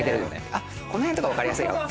あっこの辺とか分かりやすいかも。